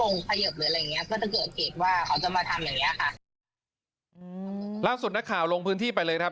ก็จะเกิดเกตว่าเขาจะมาทำอย่างเงี้ยค่ะอืมล่าสุดนักข่าวลงพื้นที่ไปเลยครับ